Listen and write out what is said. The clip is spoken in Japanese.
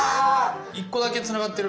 １個だけつながってる。